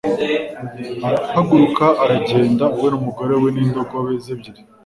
arahaguruka aragenda, we n'umugore we n'indogobe ze ebyiri